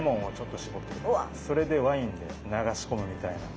それでワインで流し込むみたいな。